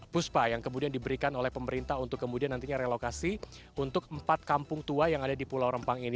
puspa yang kemudian diberikan oleh pemerintah untuk kemudian nantinya relokasi untuk empat kampung tua yang ada di pulau rempang ini